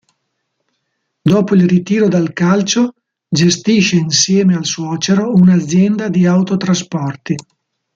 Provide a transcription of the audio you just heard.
Dopo il ritiro dal calcio gestisce insieme al suocero un'azienda di autotrasporti.